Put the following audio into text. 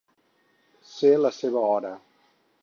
Ser la seva hora.